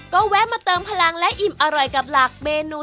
ก็แวะมาเติมพลังและอิ่มอร่อยกับหลากเมนู